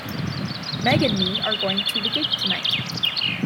Meg and me are going to the gig tonight.